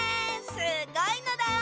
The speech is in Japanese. すごいのだ！